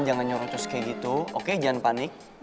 jangan nyuruh terus kayak gitu oke jangan panik